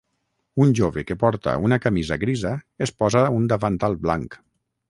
Un jove que porta una camisa grisa es posa un davantal blanc.